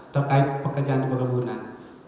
terkait pekerjaan di kebunan